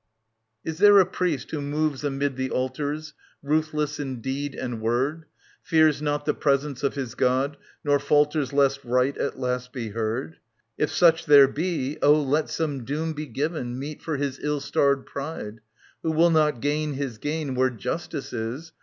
Is there a priest who moves amid the altars Ruthless in deed and word. Fears not the presence of his god, nor falters Lest Right at last be heard ? If such there be, oh, let some doom be given Meet for his ill starred pride. Who will not gain his gain where Justice is.